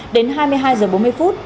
đến hai mươi hai h bốn mươi phút